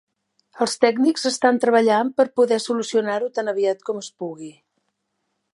Els tècnics estan treballant per poder solucionar-ho tan aviat com es pugui.